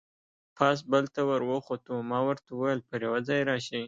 پاس پل ته ور وخوتو، ما ورته وویل: پر یوه ځای راشئ.